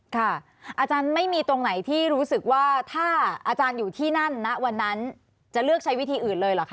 อาจารย์ไม่มีตรงไหนที่รู้สึกว่าถ้าอาจารย์อยู่ที่นั่นณวันนั้นจะเลือกใช้วิธีอื่นเลยเหรอคะ